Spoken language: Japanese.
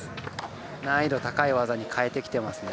難易度高い技に変えてきてますね。